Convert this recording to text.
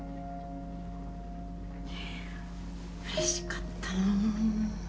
うれしかったなあ。